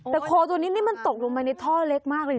แต่โคตรนี้มันตกลงในท่อเล็กมากเลยนะ